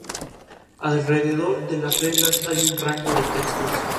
Alrededor de las reglas hay un rango de textos.